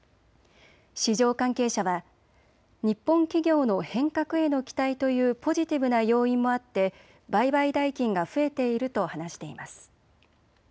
市場関係者は日本企業の変革への期待というポジティブな要因もあって売買代金が増えていると話しています。